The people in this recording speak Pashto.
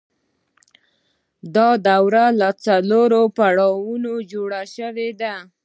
دا دوره له څلورو پړاوونو جوړه شوې ده